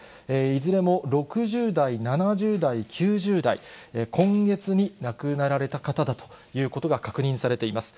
いずれも６０代、７０代、９０代、今月に亡くなられた方だということが確認されています。